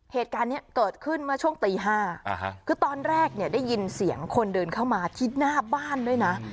เหตุการณ์นี้เกิดขึ้นเมื่อช่วงตี๕คือตอนแรกเนี่ยได้ยินเสียงคนเดินเข้ามาที่หน้าบ้านด้วยนะ